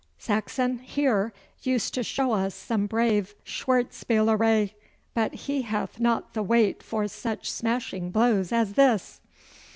Saxon, here, used to show us some brave schwertspielerei, but he hath not the weight for such smashing blows as this.